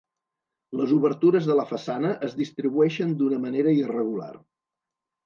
Les obertures de la façana es distribueixen d'una manera irregular.